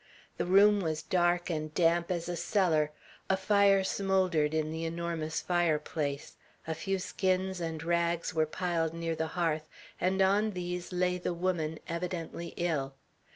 The room was dark and damp as a cellar; a fire smouldered in the enormous fireplace; a few skins and rags were piled near the hearth, and on these lay the woman, evidently ill.